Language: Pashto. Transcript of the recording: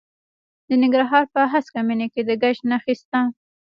د ننګرهار په هسکه مینه کې د ګچ نښې شته.